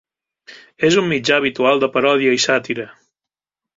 És un mitjà habitual de paròdia i sàtira.